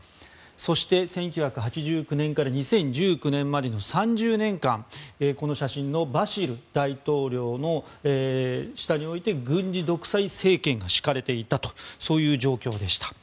そして１９８９年から２０１９年までの３０年間この写真のバシル大統領の下において、軍事独裁政権が敷かれていたという状況でした。